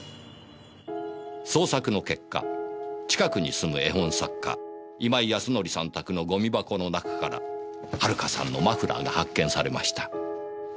捜索の結果近くに住む絵本作家今井康則さん宅のゴミ箱の中から遥さんのマフラーが発見されました。